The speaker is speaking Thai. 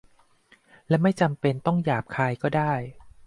และไม่จำเป็นต้องหยาบคายก็ได้